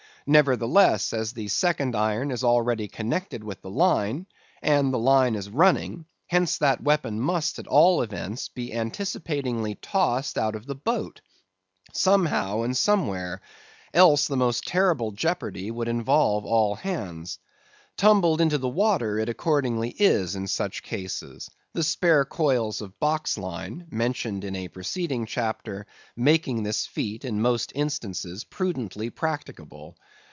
Nevertheless, as the second iron is already connected with the line, and the line is running, hence that weapon must, at all events, be anticipatingly tossed out of the boat, somehow and somewhere; else the most terrible jeopardy would involve all hands. Tumbled into the water, it accordingly is in such cases; the spare coils of box line (mentioned in a preceding chapter) making this feat, in most instances, prudently practicable.